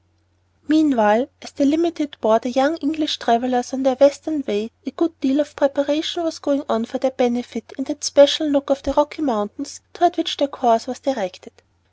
MEANWHILE, as the "Limited" bore the young English travellers on their western way, a good deal of preparation was going on for their benefit in that special nook of the Rocky mountains toward which their course was directed.